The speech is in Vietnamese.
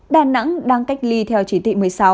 đà nẵng đang cách ly theo chỉ thị một mươi sáu